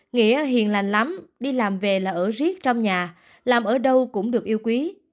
nghĩa hiền lành lắm đi làm về là ở riêng trong nhà làm ở đâu cũng được yêu quý